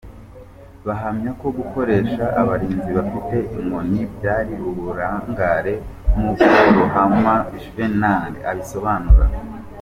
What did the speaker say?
Bahamya ko gukoresha abarinzi bafite inkoni byari uburangare; nkuko Ruhama Juvenal abisobanura.